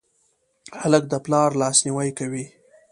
هلک د پلار لاسنیوی کوي.